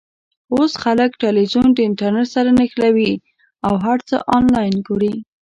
اوس خلک ټلویزیون د انټرنېټ سره نښلوي او هر څه آنلاین ګوري.